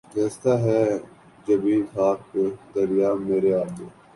گھستا ہے جبیں خاک پہ دریا مرے آگے